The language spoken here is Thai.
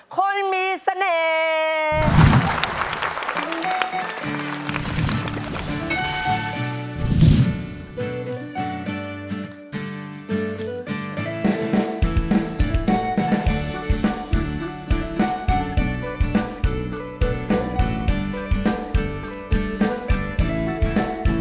คนมีเสน่ห์